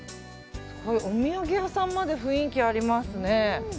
お土産屋さんまで雰囲気ありますね。